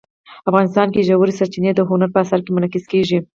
افغانستان کې ژورې سرچینې د هنر په اثار کې منعکس کېږي.